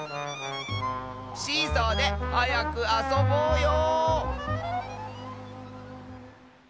シーソーではやくあそぼうよ！